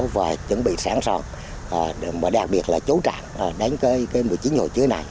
và chuẩn bị sản soạn đặc biệt là chú trạng đến một mươi chín hồ chứa này